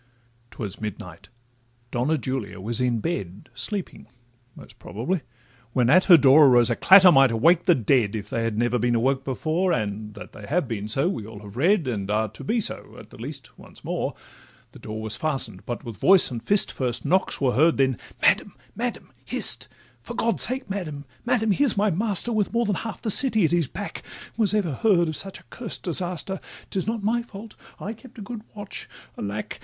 'Twas midnight—Donna Julia was in bed, Sleeping, most probably,—when at her door Arose a clatter might awake the dead, If they had never been awoke before, And that they have been so we all have read, And are to be so, at the least, once more. The door was fasten'd, but with voice and fist First knocks were heard, then 'Madam—Madam—hist! 'For God's sake, Madam—Madam—here's my master, With more than half the city at his back— Was ever heard of such a curst disaster! 'Tis not my fault—I kept good watch—Alack!